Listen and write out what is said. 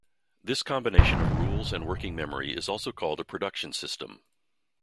This combination of rules and working memory is also called a production system.